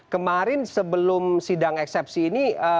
kemarin sebelum sidang eksepsi ini